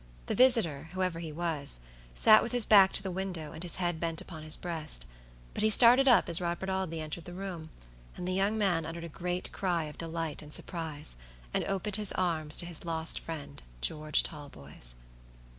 The visitor, whoever he was, sat with his back to the window and his head bent upon his breast. But he started up as Robert Audley entered the room, and the young man uttered a great cry of delight and surprise, and opened his arms to his lost friend, George Talboys.